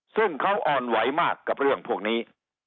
ซึ่งเขาอ่อนไหวมากกับเรื่องพวกนี้